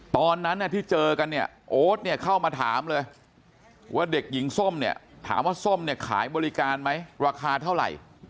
ตอนนั้นที่เจอกันเนี่ยโอ๊ตเนี่ยเข้ามาถามเลยว่าเด็กหญิงส้มเนี่ยถามว่าส้มเนี่ยขายบริการไหมราคาเท่าไหร่